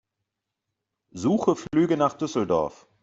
Suche Flüge nach Düsseldorf.